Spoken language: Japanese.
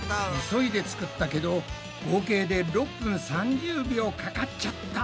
急いで作ったけど合計で６分３０秒かかっちゃった。